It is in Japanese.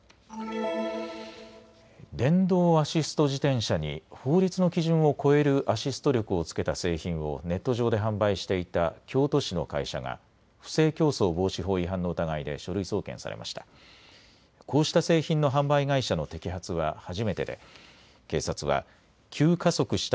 電動アシスト自転車に法律の基準を超えるアシスト力をつけた製品をネット上で販売していた京都市の会社が不正競争防止法違反の疑いで書類送検されました。